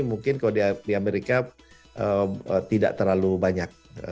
mungkin kalau di amerika tidak terlalu banyak